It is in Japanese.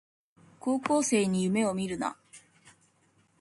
高校生に夢をみるな